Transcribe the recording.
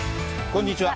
こんにちは。